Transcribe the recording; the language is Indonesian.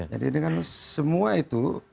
jadi dengan semua itu